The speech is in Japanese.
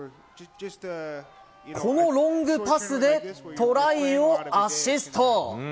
このロングパスでトライをアシスト。